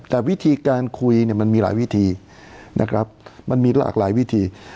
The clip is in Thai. แต่วิธีการคุยมันมีหลายวิธีมันมีหลากหลายวิธี